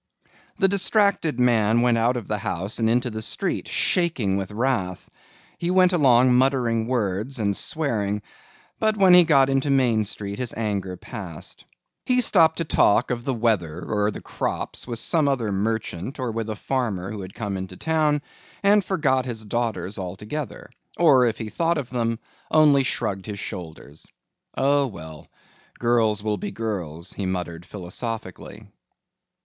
The distracted man went out of the house and into the street shaking with wrath. He went along muttering words and swearing, but when he got into Main Street his anger passed. He stopped to talk of the weather or the crops with some other merchant or with a farmer who had come into town and forgot his daughters altogether or, if he thought of them, only shrugged his shoulders. "Oh, well, girls will be girls," he muttered philosophically.